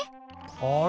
あれ？